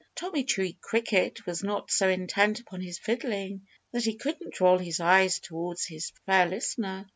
Tommy Tree Cricket was not so intent upon his fiddling that he couldn't roll his eyes towards his fair listener.